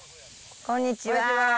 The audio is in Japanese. こんにちは。